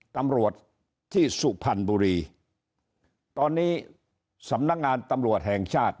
ตำรวจที่สุพรรณบุรีตอนนี้สำนักงานตำรวจแห่งชาติ